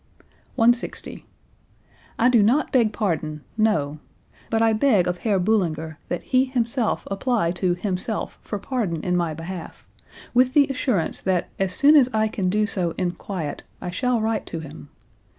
160. "I do not beg pardon; no! But I beg of Herr Bullinger that he himself apply to himself for pardon in my behalf, with the assurance that as soon as I can do so in quiet I shall write to him.